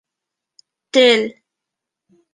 Тел